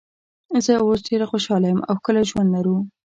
زه اوس ډېره خوشاله یم او ښکلی ژوند لرو.